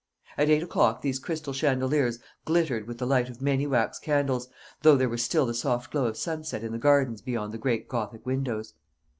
At eight o'clock these crystal chandeliers glittered with the light of many wax candles, though there was still the soft glow of sunset in the gardens beyond the great gothic windows.